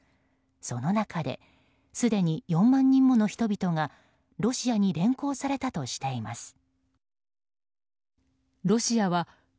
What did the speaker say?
その中ですでに４万人もの人々がロシアに連行されたとしています。